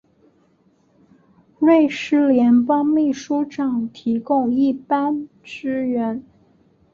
瑞士联邦秘书长提供一般支援。